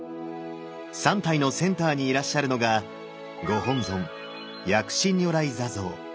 ３体のセンターにいらっしゃるのがご本尊薬師如来坐像。